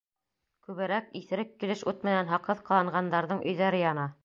Күберәк иҫерек килеш ут менән һаҡһыҙ ҡыланғандарҙың өйҙәре яна.